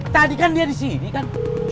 tadi kan dia disini kan